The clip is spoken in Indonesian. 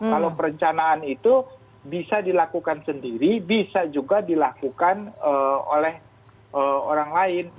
kalau perencanaan itu bisa dilakukan sendiri bisa juga dilakukan oleh orang lain